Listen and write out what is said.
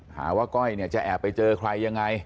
หากว่าก้อยเนี่ยจะแอบไปเจอใครยังไง